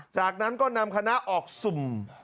จากนั้นก็นำคณะออกสุ่ม